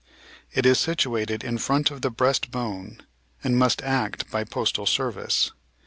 It is situated in front of the breast bone, and must act by "postal service."